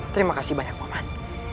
terima kasih banyak pak man